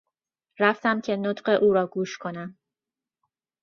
رفتم که نطق او را گوش کنم.